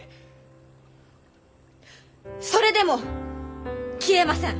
それでも消えません！